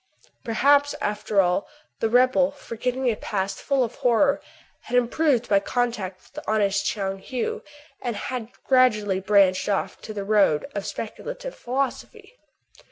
Perhaps, after all, the rebel, forgetting a past full of horror, had improved by contact with the honest Tchoung Heou, and had gradually branched off to the road of speculative philosophy.